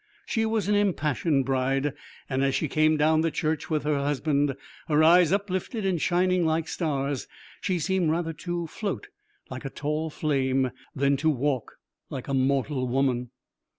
She was an impassioned bride, and as she came down the church with her husband, her eyes uplifted and shining like stars, she seemed rather to float like a tall flame than to walk like a mortal woman.